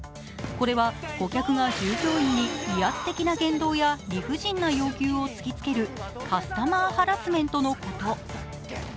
これは顧客が従業員に威圧的な源道や理不尽な要求を突きつけるカスタマーハラスメントのこと。